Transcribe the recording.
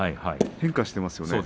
変化をしていますね。